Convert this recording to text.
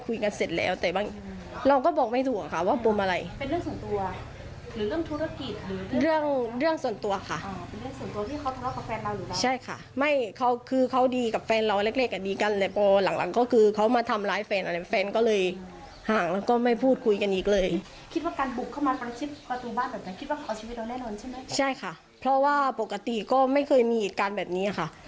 ก็ไม่เคยมีอีกการแบบนี้ค่ะ